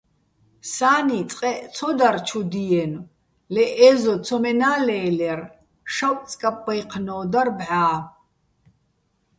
სა́ნი წყეჸ ცო დარ ჩუ დიენო̆, ლე ე́ზო ცომენა́ ლე́ლერ, შავწკაპბაჲჴნო́ დარ ბჵა́.